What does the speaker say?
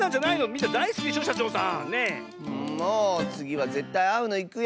んもつぎはぜったいあうのいくよ。